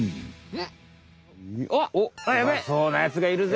うまそうなやつがいるぜ！